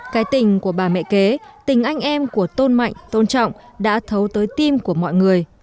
cái tình của bà mẹ kế tình anh em của tôn mạnh tôn trọng đã thấu tới tim của mọi người